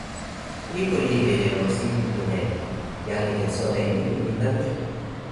lipu lili li lon sinpin pi len mi. jan li ken sona e nimi mi tan ni.